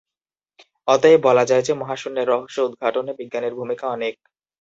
অতএব বলা যায় যে মহাশুন্যের রহস্য উদঘাটনে বিজ্ঞানের ভূমিকা অনেক।